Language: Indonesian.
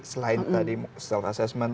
selain tadi self assessment